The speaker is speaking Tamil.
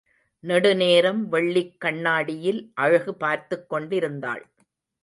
நெடுநேரம் வெள்ளிக் கண்ணாடியில் அழகு பார்த்துக் கொண்டிருந்தாள்.